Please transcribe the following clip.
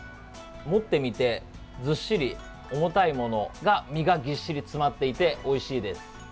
持ってみてずっしり重たいものが身がぎっしり詰まっていておいしいです。